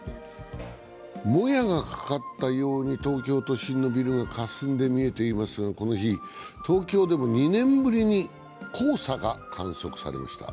もやがかかったように東京都心のビルがかすんで見えていますがこの日、東京でも２年ぶりに黄砂が観測されました。